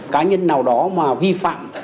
cá nhân nào đó mà vi phạm